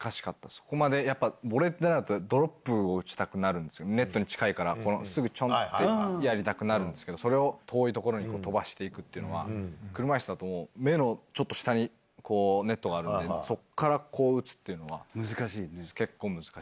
そこまで、ボレーってなると、ドロップを打ちたくなるんですよ、ネットに近いから、すぐ、ちょんってやりたくなるんですけど、それを遠い所に飛ばしていくっていうのは、車いすだともう、目のちょっと下に、こう、ネットがあるんで、難しい？